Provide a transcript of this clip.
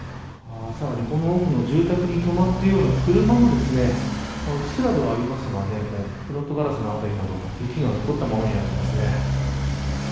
さらに、この奥の住宅に止まっている車もうっすらではありますがフロントガラスのあたりなど雪が残ったままになっていますね。